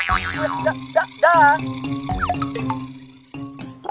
udah dah dah dah